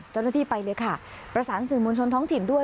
เจ้าหน้าที่ไปเลยค่ะประสานสื่อมวลชนท้องถิ่นด้วย